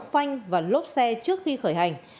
phanh và lốp xe trước khi khởi hành